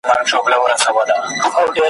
بورا به څنګه د اغزیو له آزاره څارې ,